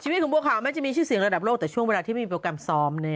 ชีวิตของบัวขาวแม้จะมีชื่อเสียงระดับโลกแต่ช่วงเวลาที่ไม่มีโปรแกรมซ้อม